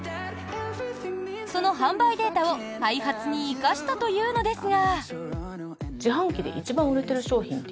その販売データを、開発に生かしたというのですが。